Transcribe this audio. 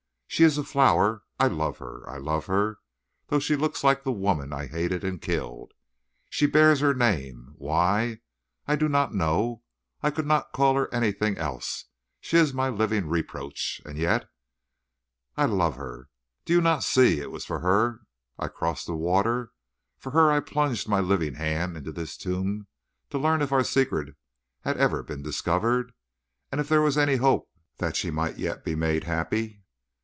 She is a flower. I love her I love her, though she looks like the woman I hated and killed. She bears her name why, I do not know I could not call her anything else; she is my living reproach, and yet I love her. Do you not see it was for her I crossed the water, for her I plunged my living hand into this tomb to learn if our secret had ever been discovered, and if there was any hope that she might yet be made happy?